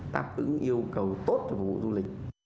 tạp ứng yêu cầu tốt để phục vụ du lịch